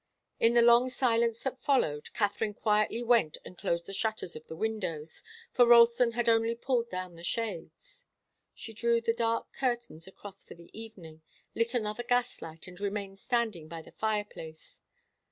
In the long silence that followed, Katharine quietly went and closed the shutters of the windows, for Ralston had only pulled down the shades. She drew the dark curtains across for the evening, lit another gaslight, and remained standing by the fireplace.